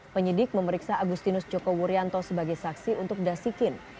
penyidik memeriksa agustinus joko wuryanto sebagai saksi untuk dasikin